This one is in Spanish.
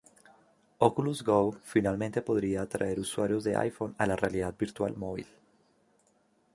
Oculus Go finalmente podría atraer usuarios de iPhone a la realidad virtual móvil.